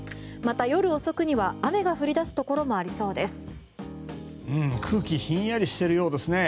また、夜遅くには雨が降り出すところもありそうです。